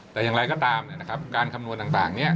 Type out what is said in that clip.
แต่อย่างไรก็ตามนะครับการคำนวณต่างนี้